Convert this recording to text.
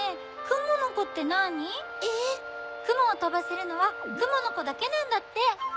くもをとばせるのはくものコだけなんだって。